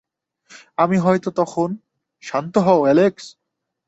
আমি হয়ত তখন -- শান্ত হও, অ্যালেক্স।